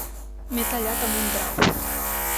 M'he tallat amb un drap.